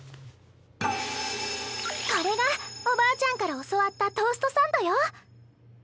これがおばあちゃんから教わったトーストサンドよ！